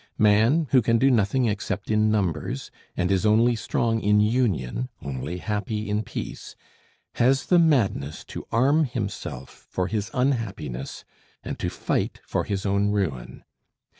Man, who can do nothing except in numbers, and is only strong in union, only happy in peace, has the madness to arm himself for his unhappiness and to fight for his own ruin.